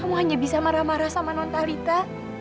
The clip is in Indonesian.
kamu hanya bisa marah marah sama nontalita